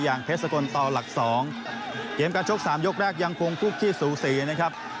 อย่างเพชรสกลต่อหลัก๒เกมการชก๓ยกแรกยังคงคลุกขี้สูสีนะครับ